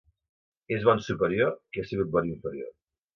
És bon superior qui ha sigut bon inferior.